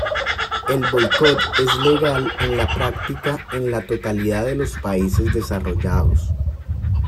El boicot es legal en la práctica en la totalidad de los países desarrollados.